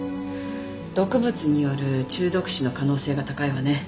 毒物による中毒死の可能性が高いわね。